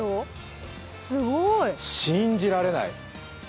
信じられない！